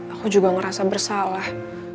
aku juga ngerasa bersalah